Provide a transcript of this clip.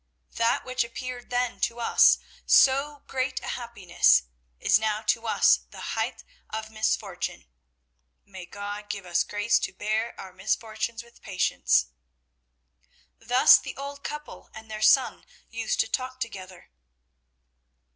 That which appeared then to us so great a happiness is now to us the height of misfortune. May God give us grace to bear our misfortunes with patience!" Thus the old couple and their son used to talk together.